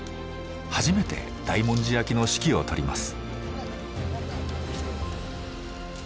初めて大文字焼きの指揮を執ります。